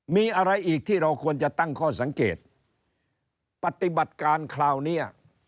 มีอะไรอีกที่เราควรจะตั้งข้อสังเกตปฏิบัติการคราวนี้